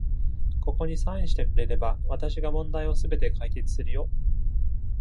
ここにサインしてくれれば、私が問題をすべて解決するよ。